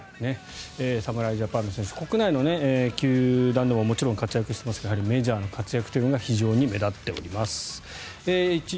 侍ジャパンの選手国内の球団でも活躍してますがメジャーでの活躍が非常に目立っています。